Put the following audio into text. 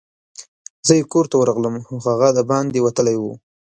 زه یې کور ته ورغلم، خو هغه دباندي وتلی وو.